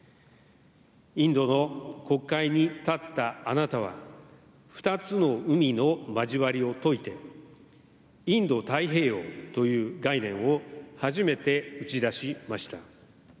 インドの国会に立ったあなたは２つの海の交わりを説いてインド太平洋という概念を初めて打ち出しました。